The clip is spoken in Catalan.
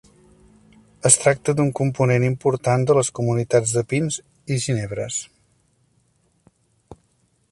Es tracta d'un component important de les comunitats de pins i ginebres.